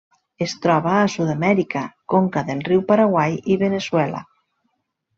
Es troba a Sud-amèrica: conca del riu Paraguai i Veneçuela.